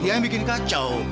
dia yang bikin kacau